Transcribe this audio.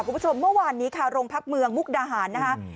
คุณผู้ชมเมื่อวานนี้ค่ะโรงพักเมืองมุกดาหารนะคะ